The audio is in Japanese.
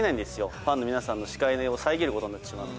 ファンの皆さんの視界をさえぎることになってしまうので。